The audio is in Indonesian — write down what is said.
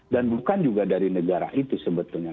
dan bukan juga dari negara itu sebetulnya